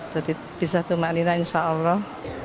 jadi bisa tumak lina insya allah